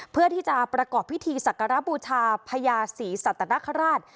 เพื่อที่จะประกอบพิธีศักระบูชาพญาศรีสัตนคราช